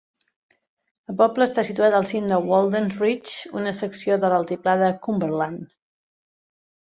El poble està situat al cim de Walden's Ridge, una secció de l'altiplà de Cumberland.